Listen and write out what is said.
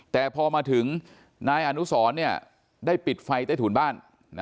แต่พอมาถึงนายอนุสรได้ปิดไฟใต้ถุนบ้าน